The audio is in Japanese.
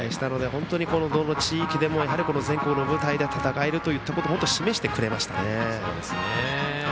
どの地域でも全国の舞台で戦えるというのを示してくれましたよね。